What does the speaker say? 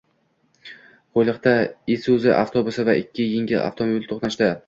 Qo‘yliqda Isuzu avtobusi va ikki yengil avtomobil to‘qnashdi